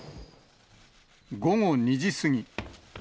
午後２時過ぎ。